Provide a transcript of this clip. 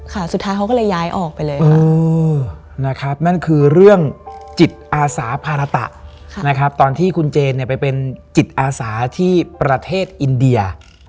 ค่ะสุดท้ายเขาก็เลยย้ายออกไปเลย